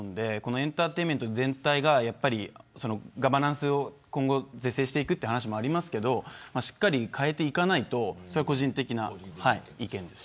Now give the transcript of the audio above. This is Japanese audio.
エンターテインメント全体がガバナンスを是正していくという話もありますがしっかりと変えていかないとという個人的な意見です。